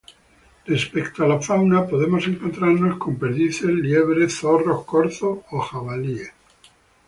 Respecto a la fauna podemos encontrarnos con perdices, liebres, zorros, corzos o jabalíes.